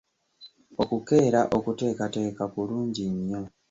Okukeera okuteekateeka kulungi nnyo.